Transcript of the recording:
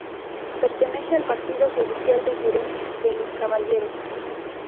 Pertenece al Partido judicial de Jerez de los Caballeros.